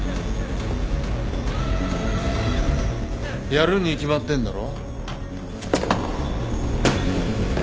やるに決まってんだろ。